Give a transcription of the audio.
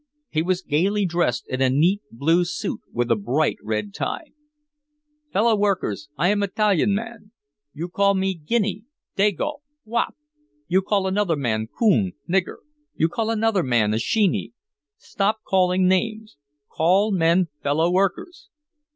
He was gaily dressed in a neat blue suit with a bright red tie: "Fellow workers I am Italian man! You call me Guinney, Dago, Wop you call another man Coon, Nigger you call another man a Sheeny! Stop calling names call men fellow workers!